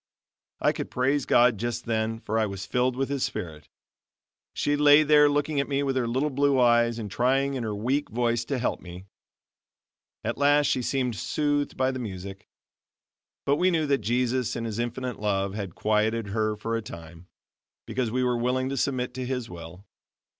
I could praise God just then, for I was filled with His Spirit. She lay there looking at me with her little blue eyes and trying in her weak voice to help me. At last she seemed soothed by the music. But we knew that Jesus in his infinite love, had quieted her for a time, because we were willing to submit to His will.